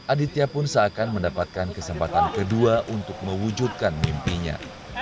aditya pun seakan mendapatkan kesempatan kedua untuk mewujudkan mimpinya